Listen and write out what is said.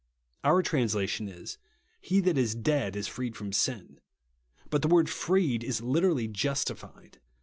vi. 7. Our translation is, " He that is dead is freed from sin." But the word "freed" is literally "justified."